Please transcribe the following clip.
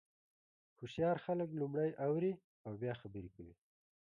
هوښیار خلک لومړی اوري او بیا خبرې کوي.